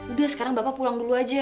udah sekarang bapak pulang dulu aja